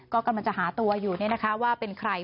ก็กำลังจะหาตัวอยู่ว่าเป็นใคร